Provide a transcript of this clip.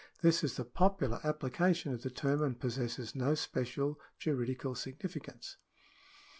This is the popular application of the term, and possesses no special juridical significance.